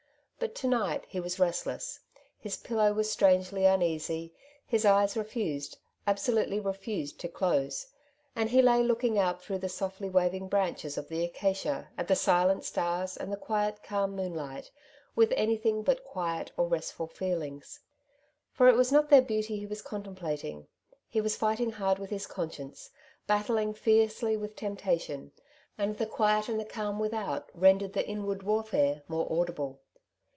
But to night he was restless, his pillow was strangely uneasy, his eyes Temptation, 109 refused, absolutely refused, to close, and he lay look ing out through the softly waving branches of the acacia, at the silent stars and the quiet calm moon light, with anything but quiet or restful feelings ; for it was not their beauty he was contemplating, he was fighting hard with his conscience, battling fiercely with temptation ; and the quiet and the calm without rendered the inward warfare more audible.